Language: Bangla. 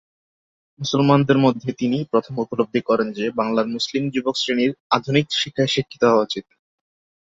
মুসলমানদের মধ্যে তিনিই প্রথম উপলব্ধি করেন যে, বাংলার মুসলিম যুবক শ্রেণীর আধুনিক শিক্ষায় শিক্ষিত হওয়া উচিত।